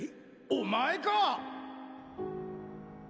⁉お前かぁ！